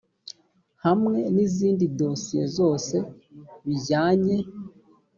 hamwe n izindi dosiye zose bijyanye